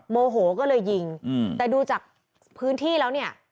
โมโหก็เลยยิงแต่ดูจากพื้นที่แล้วเนี่ย